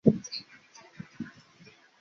波利尼。